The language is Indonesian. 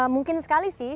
mungkin sekali sih